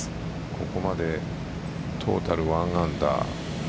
ここまでトータル１アンダー。